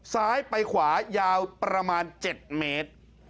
ซ้ายไปขวายาวประมาณ๗เมตร